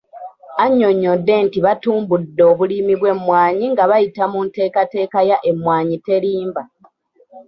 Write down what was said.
Annyonnyodde nti batumbudde obulimi bw'emmwanyi nga bayita mu nteekateeka ya Emmwanyi Terimba